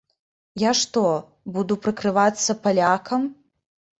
Я што, буду прыкрывацца палякам?